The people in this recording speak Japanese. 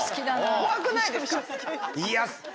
怖くないですか？